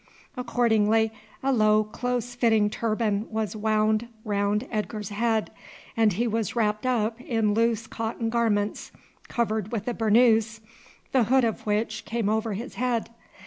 Accordingly a low close fitting turban was wound round Edgar's head, and he was wrapped up in loose cotton garments covered with a burnoose, the hood of which came over his head.